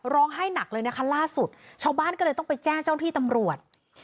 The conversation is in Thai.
ให้หนักเลยนะคะล่าสุดชาวบ้านก็เลยต้องไปแจ้งเจ้าหน้าที่ตำรวจ